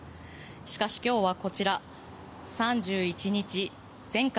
しかし今日はこちら３１日全館